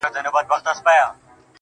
وه ه ژوند به يې تياره نه وي